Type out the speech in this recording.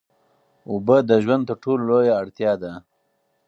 اوبه د ژوند تر ټولو لویه اړتیا ده.